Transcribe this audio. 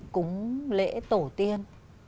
cúng lễ tổ tiên